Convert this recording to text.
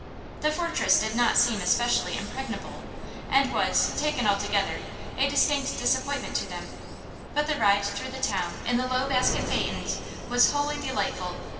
The fortress did not seem especially impregnable and was, taken altogether, a distinct disappointment to them; but the ride through the town in the low basket phaetons was wholly delightful.